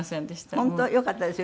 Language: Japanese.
本当よかったですよ。